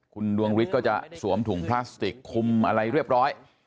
คุณดวงฤทธิ์ก็จะสวมถุงพลาสติกคุมอะไรเรียบร้อย